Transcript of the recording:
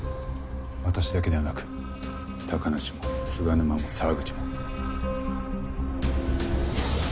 私だけではなく高梨も菅沼も沢口も。